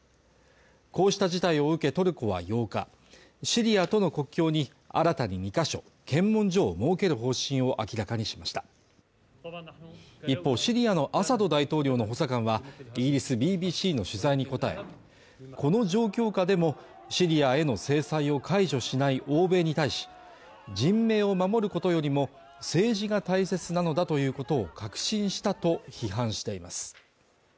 こうした事態を受けトルコは８日シリアとの国境に新たに２か所検問所を設ける方針を明らかにしました一方シリアのアサド大統領の補佐官はイギリスＢＢＣの取材に答えこの状況下でもシリアへの制裁を解除しない欧米に対し人命を守ることよりも政治が大切なのだということを確信したと批判しています